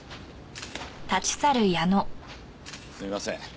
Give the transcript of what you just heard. すみません。